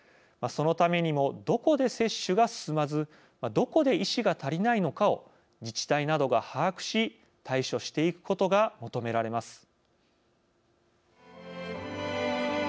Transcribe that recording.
そのためにもどこで接種が進まずどこで医師が足りないのかを自治体などが把握し対処していくことが求められます。